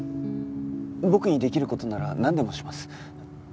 僕にできる事ならなんでもします。